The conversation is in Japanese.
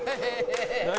何？